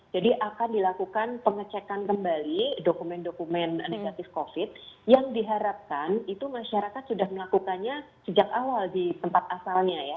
jadi akan dilakukan pengecekan kembali dokumen dokumen negatif covid yang diharapkan itu masyarakat sudah melakukannya sejak awal di tempat asalnya ya